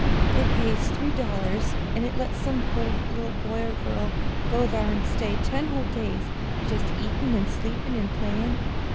They pays three dollars an' it lets some poor little boy or girl go thar an' stay ten whole days jest eatin' an' sleepin' an' playin'.